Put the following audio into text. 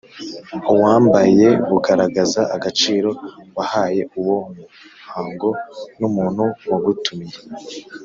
owambayebugaragaza agaciro wahaye uwo muhango n‘umuntu wagutumiye.